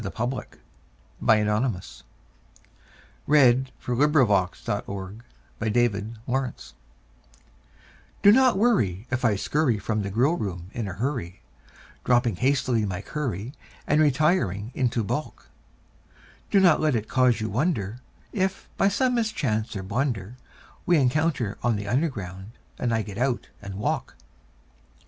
182 SUCH NONSENSE! CUPID'S DARTS (Which are a growing menace to the public) Do not worry if I scurry from the grill room in a hurry, Dropping hastily my curry and re tiring into balk ; Do not let it cause you wonder if, by some mischance or blunder, We encounter on the Underground and I get out and walk.